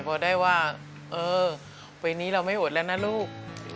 พอได้ว่าเออปีนี้เราไม่อดแล้วนะลูก